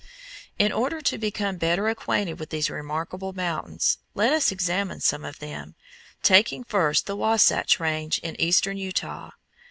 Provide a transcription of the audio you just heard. In order to become better acquainted with these remarkable mountains, let us examine some of them, taking first the Wasatch Range in eastern Utah.